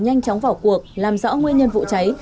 nhanh chóng vào cuộc làm rõ nguyên nhân vụ cháy